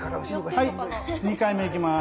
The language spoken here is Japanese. はい２回目いきます。